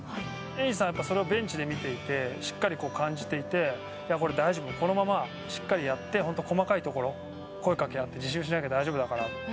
永嗣さんはやっぱりそれをベンチで見ていてしっかり感じていてこれ、大丈夫このまましっかりやって本当細かいところを声かけ合って自信失わなければ大丈夫だからって。